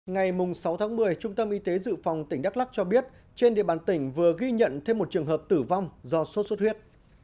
ngày sáu tháng một mươi trung tâm y tế dự phòng tỉnh đắk lắc cho biết trên địa bàn tỉnh vừa ghi nhận thêm một trường hợp tử vong do sốt xuất huyết